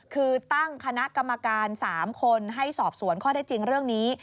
คือตั้งคณะกรรมการ๓คนให้สอบสวนข้อได้จริงเรื่องนี้